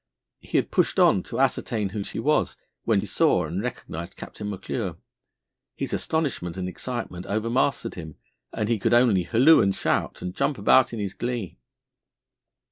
He had pushed on to ascertain who she was, when he saw and recognised Captain McClure. His astonishment and excitement overmastered him and he could only halloo and shout and jump about in his glee.